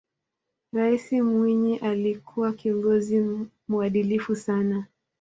raisi mwinyi alikuwa kiongozi muadilifu sana